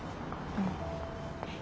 うん。